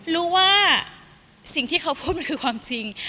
รู้ว่าสิ่งที่เขาพูดมันคือความจริง